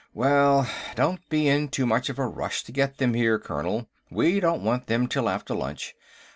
"Well, don't be in too much of a rush to get them here, Colonel. We don't want them till after lunch.